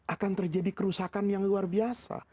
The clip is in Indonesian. akan terjadi kerusakan yang luar biasa